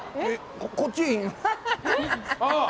こっちでいいの？